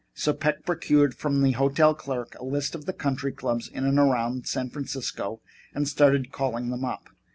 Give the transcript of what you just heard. So Peck procured from the hotel clerk a list of the country clubs in and around San Francisco and started calling them up.